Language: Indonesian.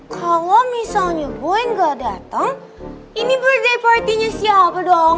kalau misalnya gue gak datang ini birthday party nya siapa dong